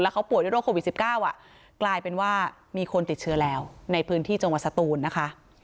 เขาป่วยด้วยโควิด๑๙กลายเป็นว่ามีคนติดเชื้อแล้วในพื้นที่จังหวัดสตูนนะคะ